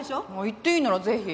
行っていいならぜひ。